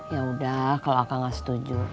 ya udah kalau akang gak setuju